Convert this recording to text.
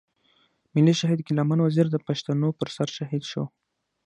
ملي شهيد ګيله من وزير د پښتنو پر سر شهيد شو.